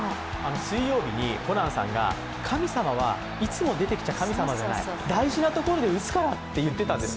水曜日にホランさんが神様はいつも出てきちゃ神様じゃない、大事なところで打つからと言ってたんですよ。